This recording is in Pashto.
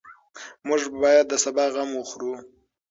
موږ باید د سبا غم وخورو.